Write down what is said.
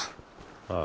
ああ。